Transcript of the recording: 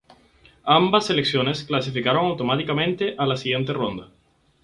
Ambas selecciones clasificaron automáticamente a la siguiente ronda.